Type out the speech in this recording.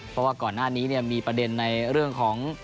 เพราะว่าก่อนหน้านี้มีประเด็นในเรื่องของ